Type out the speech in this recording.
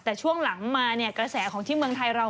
แต่ช่วงหลังมาเนี่ยกระแสของที่เมืองไทยเรา